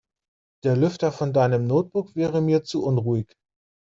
Der Lüfter von deinem Notebook wäre mir zu unruhig.